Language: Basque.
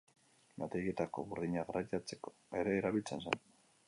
Meategietako burdina garraiatzeko ere erabiltzen zen.